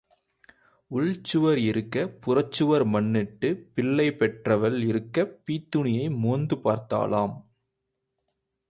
உள் சுவர் இருக்கப் புறச்சுவர் மண் இட்டு, பிள்ளை பெற்றவள் இருக்கப் பீத்துணியை மோந்து பார்த்தாளாம்.